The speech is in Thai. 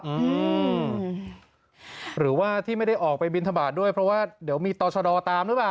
อืมหรือว่าที่ไม่ได้ออกไปบินทบาทด้วยเพราะว่าเดี๋ยวมีต่อชะดอตามหรือเปล่า